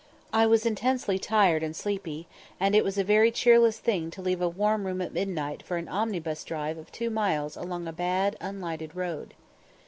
I was intensely tired and sleepy, and it was a very cheerless thing to leave a warm room at midnight for an omnibus drive of two miles along a bad, unlighted road.